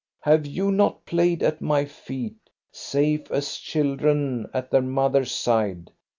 Have you not played at my feet, safe as children at their mother's side?